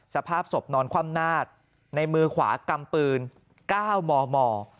สภาพศพนอนคว่ำหน้าในมือขวากำปืน๙มม